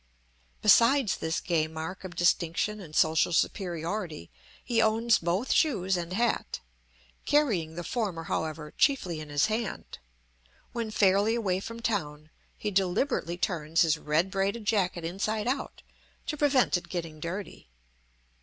Besides this gay mark of distinction and social superiority, he owns both shoes and hat, carrying the former, however, chiefly in his hand; when fairly away from town, he deliberately turns his red braided jacket inside out to prevent it getting dirty.